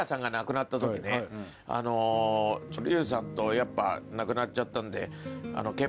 やっぱ亡くなっちゃったんで。